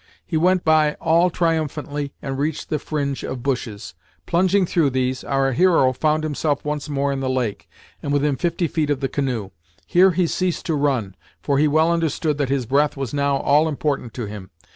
He went by all triumphantly and reached the fringe of bushes. Plunging through these, our hero found himself once more in the lake, and within fifty feet of the canoe. Here he ceased to run, for he well understood that his breath was now all important to him.